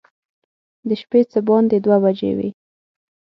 د شپې څه باندې دوه بجې وې.